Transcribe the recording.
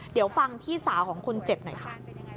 เดี๋ยวฟังพี่สาวของคนเจ็บหน่อยค่ะ